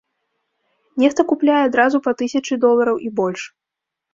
Нехта купляе адразу па тысячы долараў і больш.